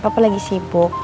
papa lagi sibuk